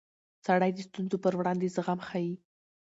سړی د ستونزو پر وړاندې زغم ښيي